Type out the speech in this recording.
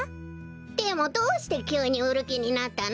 でもどうしてきゅうにうるきになったの？